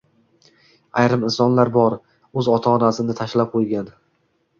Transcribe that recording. Ayrim insonlar bor, oʻz ota onasini tashlab qoʻygan.